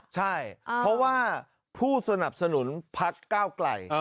ใช่เพราะว่าผู้สนับสนุนพักก้าวไกล